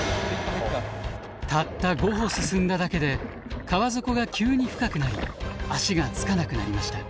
たった５歩進んだだけで川底が急に深くなり足が着かなくなりました。